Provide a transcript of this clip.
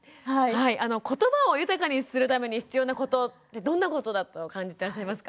ことばを豊かにするために必要なことってどんなことだと感じてらっしゃいますか？